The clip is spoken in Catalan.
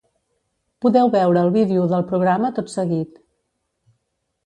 Podeu veure el vídeo del programa tot seguit.